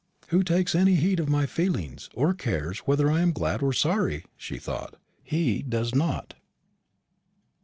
"Who takes any heed of my feelings, or cares whether I am glad or sorry?" she thought; "he does not."